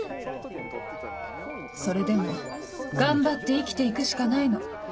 それでも頑張って生きて行くしかないの。